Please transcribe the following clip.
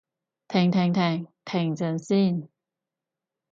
停停停！停陣先